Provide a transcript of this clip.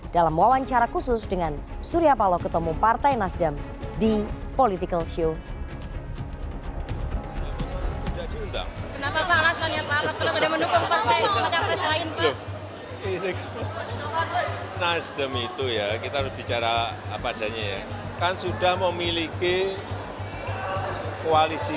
dalam wawancara khusus dengan surya palo ketemu partai nasdem di political show